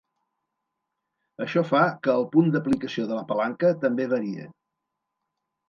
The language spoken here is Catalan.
Això fa que el punt d'aplicació de la palanca també varie.